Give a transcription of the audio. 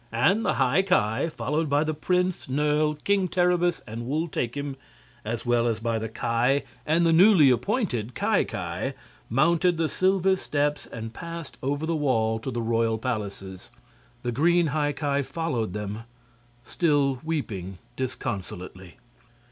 And the High Ki, followed by the prince, Nerle, King Terribus and Wul Takim, as well as by the Ki and the newly appointed Ki Ki, mounted the silver steps and passed over the wall to the royal palaces. The green High Ki followed them, still weeping disconsolately.